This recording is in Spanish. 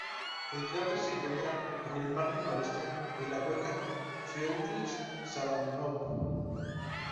El cráter se encuentra en el margen noreste de la Cuenca Freundlich-Sharonov.